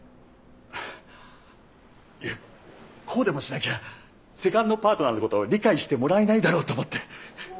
いやこうでもしなきゃセカンドパートナーの事理解してもらえないだろうと思って。